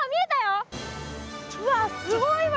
うわっすごいわ！